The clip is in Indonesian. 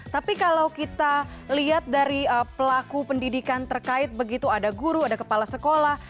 tapi kalau kita lihat dari pelaku pendidikan terkait begitu ada guru ada kepala sekolah